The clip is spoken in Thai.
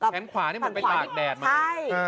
แขนขวานี่มันเป็นตากแดดใช่